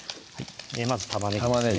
まず玉ねぎですね